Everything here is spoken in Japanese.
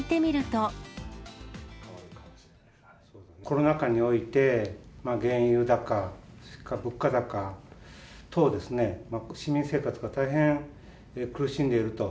コロナ禍において、原油高、物価高等、市民生活が大変苦しんでいると。